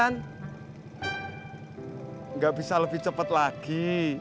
nggak bisa lebih cepet lagi